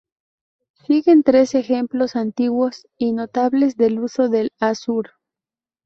Siguen tres ejemplos antiguos y notables del uso del azur.